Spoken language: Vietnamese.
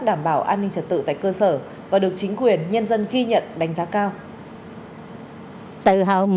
đảm bảo an ninh trật tự tại cơ sở và được chính quyền nhân dân ghi nhận đánh giá cao